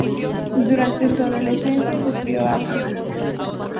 Durante su adolescencia sufrió asma.